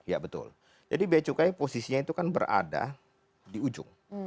ya betul jadi bea cukai posisinya itu kan berada di ujung